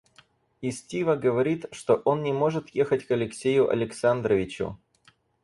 И Стива говорит, что он не может ехать к Алексею Александровичу.